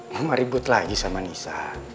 mama ribut lagi sama nisa